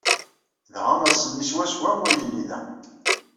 Dɣa ass-nni swaswa ur yelli da.